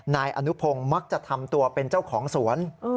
นายอนุพงศ์มักจะทำตัวเป็นเจ้าของสวน